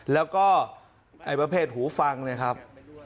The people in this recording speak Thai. แล้วก็ไอ้ประเภทหูฟังนะครับ